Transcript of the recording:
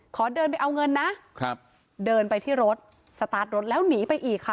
ขอเดินไปเอาเงินนะครับเดินไปที่รถสตาร์ทรถแล้วหนีไปอีกค่ะ